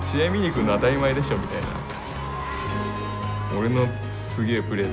俺のすげえプレー